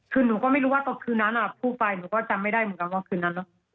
คือหนูก็ไม่รู้ว่าตอนคืนนั้นพูดไปหนูก็จำไม่ได้เหมือนกันว่าคืนนั้นเนอะ